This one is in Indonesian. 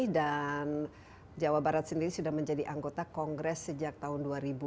dan jawa barat sendiri sudah menjadi anggota kongres sejak tahun dua ribu dua puluh